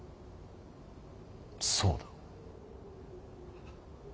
そうだ。